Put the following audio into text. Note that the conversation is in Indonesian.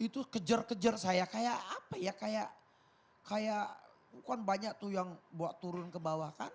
itu kejar kejar saya kayak apa ya kayak bukan banyak tuh yang bawa turun ke bawah kan